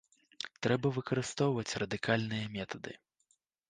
Трэба выкарыстоўваць радыкальныя метады.